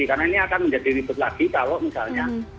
karena ini akan menjadi ribet lagi kalau misalnya